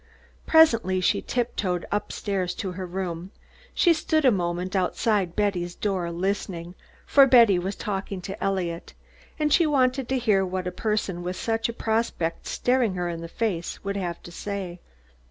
Presently she tiptoed up stairs to her room. She stood a moment outside Betty's door, listening, for Betty was talking to Eliot, and she wanted to hear what a person with such a prospect staring her in the face would have to say.